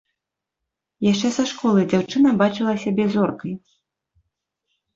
Яшчэ са школы дзяўчына бачыла сябе зоркай.